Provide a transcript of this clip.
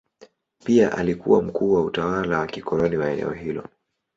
Pia alikuwa mkuu wa utawala wa kikoloni wa eneo hilo.